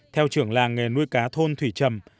theo trưởng làng nghề nuôi cá thôn thủy trầm